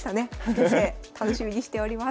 先生楽しみにしております。